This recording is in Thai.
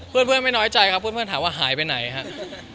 เพื่อนไม่น้อยใจครับเพื่อนถามว่าหายไปไหนครับ